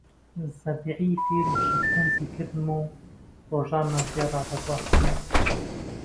زەبیحی فێرە شەترەنجی کردم و ڕۆژمان پێ ڕادەبوارد